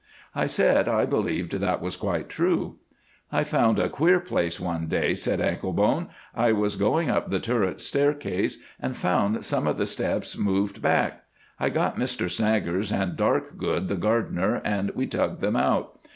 I said I believed that was quite true. "I found a queer place one day," said Anklebone. "I was going up the turret staircase, and found some of the steps moved back. I got Mr Snaggers and Darkgood, the gardener, and we tugged them out.